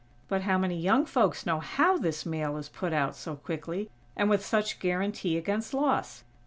But how many young folks know how this mail is put out so quickly, and with such guaranty against loss?